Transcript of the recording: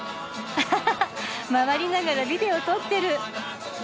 あははは回りながらビデオ撮ってる。